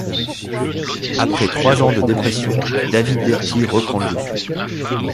Après trois ans de dépression, David Berty reprend le dessus.